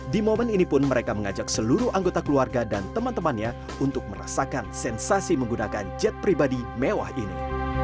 di momen ini pun mereka mengajak seluruh anggota keluarga dan teman temannya untuk merasakan sensasi menggunakan jet pribadi mewah ini